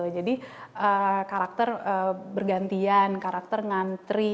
jadi karakter bergantian karakter ngantri